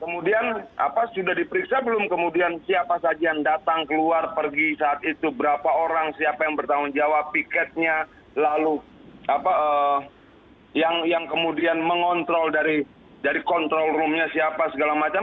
kemudian apa sudah diperiksa belum kemudian siapa saja yang datang keluar pergi saat itu berapa orang siapa yang bertanggung jawab piketnya lalu yang kemudian mengontrol dari kontrol roomnya siapa segala macam